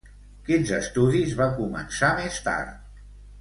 Quins estudis va començar més tard?